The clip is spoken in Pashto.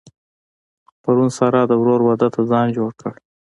پرون سارا د ورور واده ته ځان جوړ کړ.